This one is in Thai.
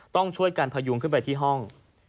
ต้องช่วยกันพยุงขึ้นไปที่ห้อง